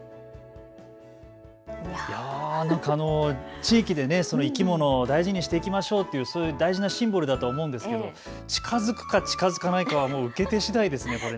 地域で生き物を大事にしていきましょうという大事なシンボルだと思うんですけど、近づくか、近づかないかはもう受け手しだいですね。